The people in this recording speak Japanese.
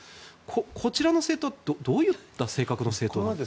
こちらの政党どういった性格の政党ですか。